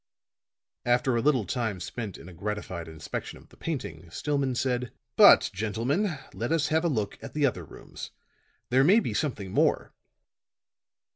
After a little time spent in a gratified inspection of the painting, Stillman said: "But, gentlemen, let us have a look at the other rooms. There may be something more."